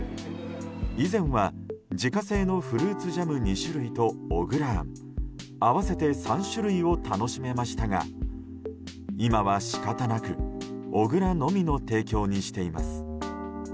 以前は、自家製のフルーツジャム２種類と小倉あん合わせて３種類を楽しめましたが今は仕方なく小倉のみの提供にしています。